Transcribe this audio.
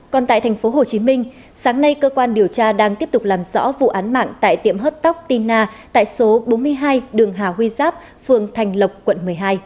còn tại thành phố hồ chí minh sáng nay cơ quan điều tra đang tiếp tục làm rõ vụ án mạng tại tiệm hớt tóc tina tại số bốn mươi hai đường hà huy giáp phường thành lộc quận một mươi hai